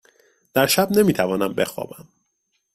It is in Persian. در شب نمی توانم بخوابم.